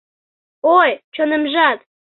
Ой, чонемжат...